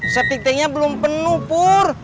sepik tengnya belum penuh pur